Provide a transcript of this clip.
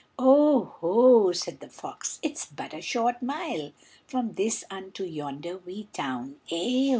"Oh, ho!" said the fox, "it's but a short mile From this unto yonder wee town, e ho!"